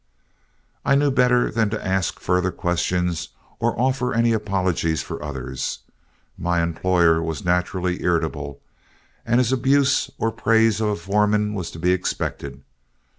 I knew better than to ask further questions or offer any apologies for others. My employer was naturally irritable, and his abuse or praise of a foreman was to be expected.